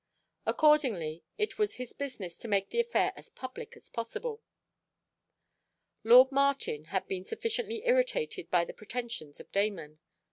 Accordingly, it was his business to make the affair as public as possible. Lord Martin, had been sufficiently irritated by the pretensions of Damon.